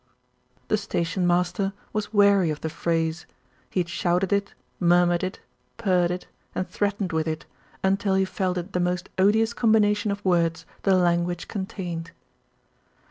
r\ The station master was weary of the phrase. He had shouted it, murmured it, purred it, and threatened with it, until he felt it the most odious combination of words the language contained.